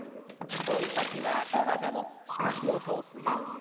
指先は体の近くを通すように。